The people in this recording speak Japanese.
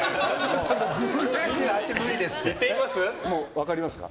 分かりますか？